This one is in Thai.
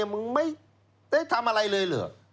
มึงไม่ได้ทำอะไรเลยเหรอ